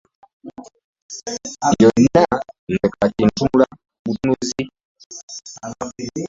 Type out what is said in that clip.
Byonna nze kati ntunula butunuzi.